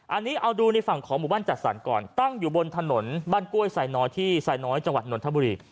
อันนี้เอาดูในฝั่งของหมู่บ้านจัดสรรก่อนตั้งอยู่บนถนนบ้านกล้วยไซน้อยที่ไซน้อยจังหวัดนทบุรี